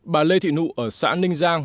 bà lê thị nụ ở xã ninh giang